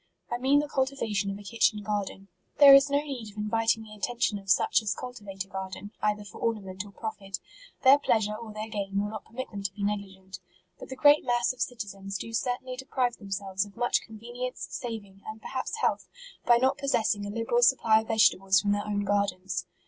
I mean the cultivation of a kitchen garden. There is no need of inviting the attention of such as cultivate a garden, either for ornament or profit; their pleasure or their gain will not permit them to be negligent. But the great mass of citizens do certainly deprive them selves of much convenience, saving, and perhaps health, by not possessing a liberal supply of vegetables from their own gardens.